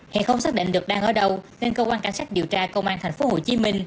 hiện không xác định được đang ở đâu nên cơ quan cảnh sát điều tra công an tp hcm